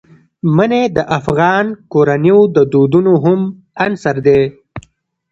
منی د افغان کورنیو د دودونو مهم عنصر دی.